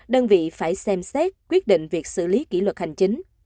đơn vị phải xem xét quyết định việc xử lý kỷ luật hành chính